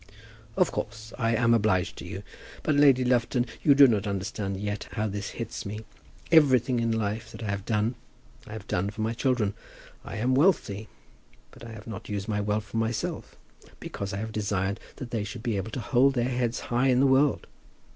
"Of course; and I am obliged to you. But, Lady Lufton, you do not understand yet how this hits me. Everything in life that I have done, I have done for my children. I am wealthy, but I have not used my wealth for myself, because I have desired that they should be able to hold their heads high in the world.